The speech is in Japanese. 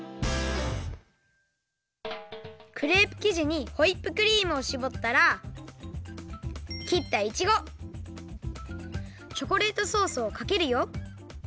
クレープきじにホイップクリームをしぼったらきったいちごチョコレートソースをかけるよ。